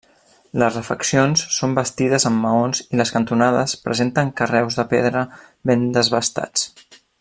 Les refeccions són bastides amb maons i les cantonades presenten carreus de pedra ben desbastats.